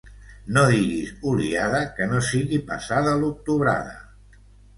No diguis oliada que no sigui passada l'octubrada.